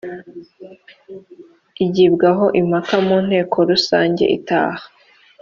igibwaho impaka mu nteko rusange itaha